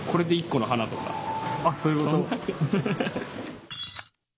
あっそういうこと？